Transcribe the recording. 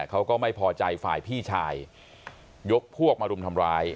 เขาก็ไม่พอใจฝ่ายพี่ชายยกพวกมารุมทำร้าย